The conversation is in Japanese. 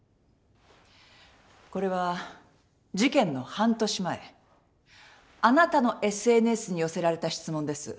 これは事件の半年前あなたのＳＮＳに寄せられた質問です。